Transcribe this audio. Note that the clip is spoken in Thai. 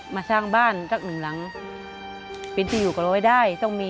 และกับผู้จัดการที่เขาเป็นดูเรียนหนังสือ